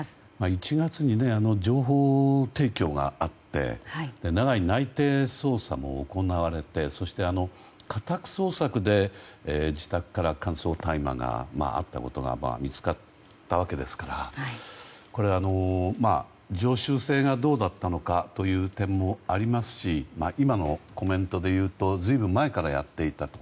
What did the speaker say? １月に情報提供があって長い内偵捜査も行われてそして家宅捜索で自宅から、乾燥大麻が見つかったわけですから常習性がどうだったのかという点もありますし今のコメントでいうとずいぶん前からやっていたと。